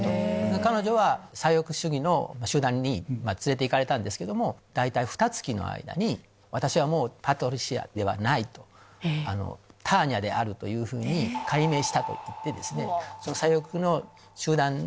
彼女は左翼主義の集団に連れて行かれたんですけども大体ふた月の間に「私はもうパトリシアではない」と。「タニアである」というふうに改名したと言ってその左翼の。